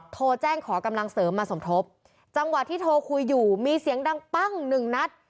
โทรแจ้งขอกำลังเสริมมาสมทบจังหวะที่โทรคุยอยู่มีเสียงดังปั้งหนึ่งนัด